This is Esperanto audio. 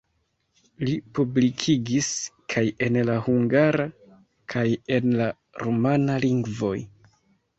Li publikigis kaj en la hungara kaj en la rumana lingvoj.